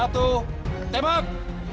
tiga dua satu tembak